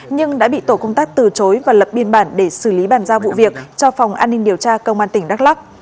nhưng đã bị tổ công tác từ chối và lập biên bản để xử lý bàn giao vụ việc cho phòng an ninh điều tra công an tỉnh đắk lắc